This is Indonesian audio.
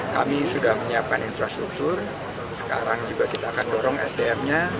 kami sudah menyiapkan infrastruktur sekarang juga kita akan dorong sdm nya